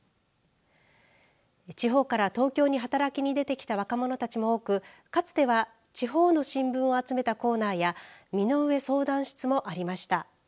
地方から東京に働きに出てきた若者たちも多くかつては地方の新聞を集めたコーナーや身の上相談室もありました。